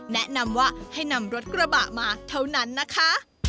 แนะนำว่าให้นำรถกระบะมาเท่านั้นนะคะ